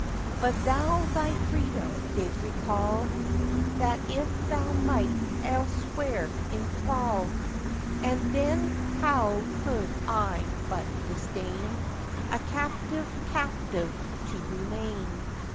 But thou thy freedom did recall, That if thou might elsewhere inthral; And then how could I but disdain A captive's captive to remain?